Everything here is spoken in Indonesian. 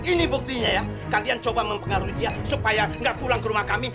ini buktinya ya kalian coba mempengaruhi dia supaya nggak pulang ke rumah kami